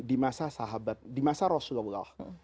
di masa sahabat di masa rasulullah